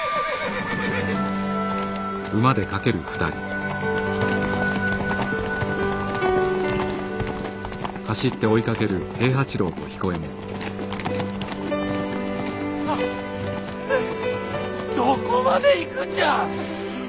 ハアハアどこまで行くんじゃ。